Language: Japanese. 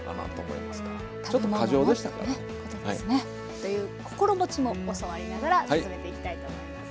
という心持ちも教わりながら進めていきたいと思います。